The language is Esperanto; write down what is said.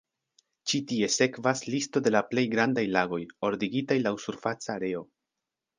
Ĉi tie sekvas listo de la plej grandaj lagoj, ordigitaj laŭ surfaca areo.